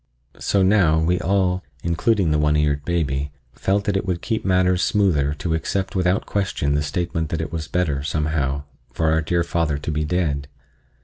So now we all—including the one eared baby—felt that it would keep matters smoother to accept without question the statement that it was better, somehow, for our dear father to be dead.